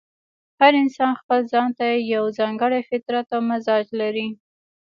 هر انسان ځپل ځان ته یو ځانګړی فطرت او مزاج لري.